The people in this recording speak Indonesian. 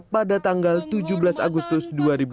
pada tanggal tujuh belas agustus dua ribu dua puluh